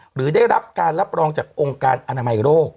หรือได้รับการรับรองจากองค์การอนามัยโรค